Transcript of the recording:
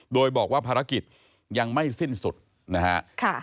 โดยบอกว่าภารกิจยังไม่สิ้นสุดนะฮะ